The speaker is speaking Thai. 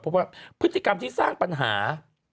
เพราะว่าพฤติกรรมที่สร้างปัญหา